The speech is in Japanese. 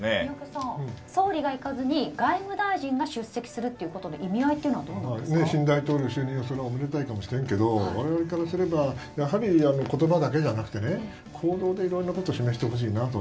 宮家さん、総理が行かずに外務大臣が出席するということで意味合いというのは尹新大統領が就任するのはおめでたいかもしれないけど我々からすれば、やはり言葉だけでなくて行動でいろいろなことを示してほしいなと。